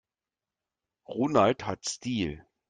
Ronald hat Stil.